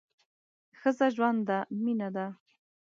ښځه ژوند ده ، مینه ده